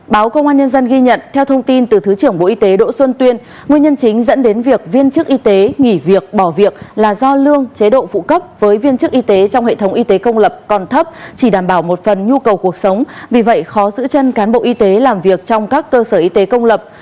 báo công an nhân dân ghi nhận theo thông tin từ thứ trưởng bộ y tế đỗ xuân tuyên nguyên nhân chính dẫn đến việc viên chức y tế nghỉ việc bỏ việc là do lương chế độ phụ cấp với viên chức y tế trong hệ thống y tế công lập còn thấp chỉ đảm bảo một phần nhu cầu cuộc sống vì vậy khó giữ chân cán bộ y tế làm việc trong các cơ sở y tế công lập